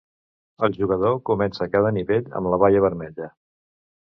El jugador comença cada nivell amb la baia vermella.